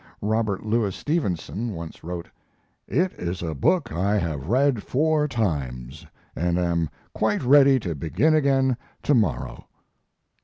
Robert Louis Stevenson once wrote, "It is a book I have read four times, and am quite ready to begin again to morrow."